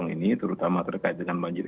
ini terutama terkait dengan banjir